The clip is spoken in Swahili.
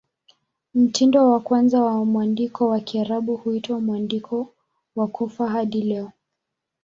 Mtindo wa kwanza wa mwandiko wa Kiarabu huitwa "Mwandiko wa Kufa" hadi leo.